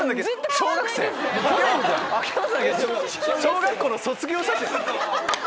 小学校の卒業写真？